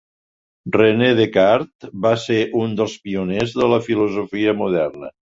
René Descartes va ser un dels pioners de la filosofia moderna.